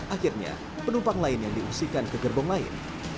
akhirnya penumpang lain yang diungsikan ke gerbong lain